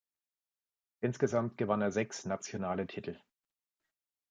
Insgesamt gewann er sechs nationale Titel.